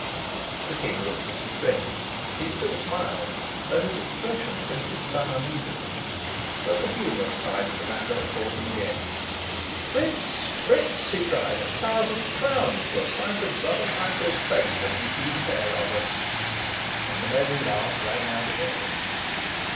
The King looked at his friends: he still smiled, though his expression hinted some uneasiness. But the humorous side of the matter caught him again. "Fritz, Fritz!" he cried, "a thousand crowns for a sight of brother Michael's face when he sees a pair of us!" and the merry laugh rang out again.